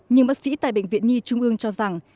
nhưng bác sĩ tại bệnh viện nhi trung ương cho rằng